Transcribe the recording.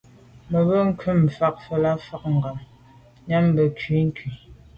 Me be kum mfelàlà fotngab nyàm nke mbwe.